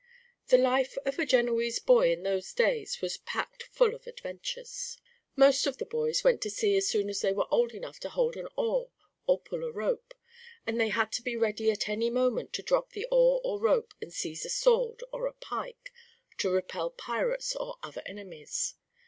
The life of a Genoese boy in those days was packed full of adventures. Most of the boys went to sea as soon as they were old enough to hold an oar or to pull a rope, and they had to be ready at any moment to drop the oar or rope and seize a sword or a pike to repel pirates or other enemies.